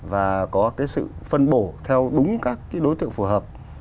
và có cái sự phân bổ theo đúng các đối tượng phù hợp